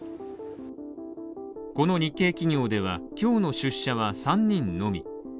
この日系企業では、今日の出社は３人のみ。